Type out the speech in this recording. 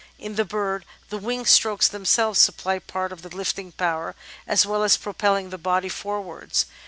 In the bird the wing strokes themselves supply part of the lifting power, as well as propelling the body forwards.